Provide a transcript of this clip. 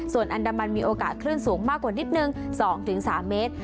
ส่วนอันดามันมีโอกาสคลื่นสูงมากกว่านิดนึง๒๓เมตร